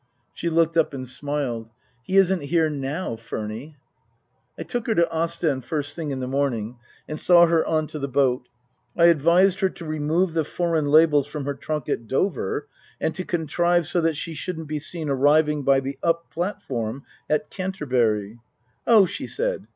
She looked up and smiled. " He isn't here now, Furny." I took her to Ostend first thing in the morning and saw her on to the boat. I advised her to remove the foreign labels from her trunk at Dover, and to contrive so that she shouldn't be seen arriving by the up platform at Canterbury. " Oh," she said.